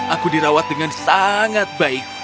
aku dirawat dengan sangat baik